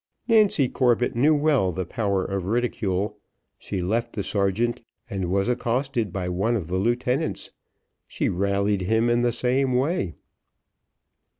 Nancy Corbett knew well the power of ridicule, she left the sergeant, and was accosted by one of the lieutenants; she rallied him in the same way.